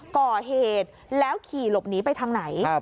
ก่อเหตุแล้วขี่หลบหนีไปทางไหน